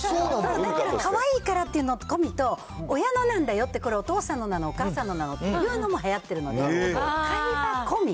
だからかわいいからっていうのを込みと、親のなんだよって、お父さんのなの、お母さんのなのっていうのもはやっているので、込み。